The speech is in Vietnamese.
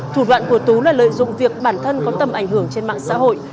thủ đoạn của tú là lợi dụng việc bản thân có tầm ảnh hưởng trên mạng xã hội